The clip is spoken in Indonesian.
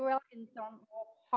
dalam bagaimana kita bekerja